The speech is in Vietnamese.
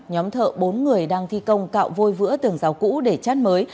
nhóm thợ bốn người đang thi công cạo vôi vữa tường rào cũ để chát mới